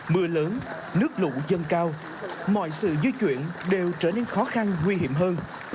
mưa lớn nước lũ dâng cao mọi sự di chuyển đều trở nên khó khăn nguy hiểm hơn